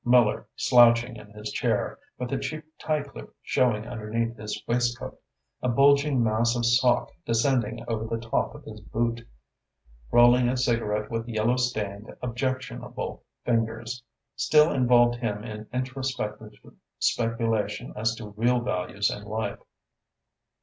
Miller, slouching in his chair, with a cheap tie clip showing underneath his waistcoat, a bulging mass of sock descending over the top of his boot, rolling a cigarette with yellow stained, objectionable fingers, still involved him in introspective speculation as to real values in life.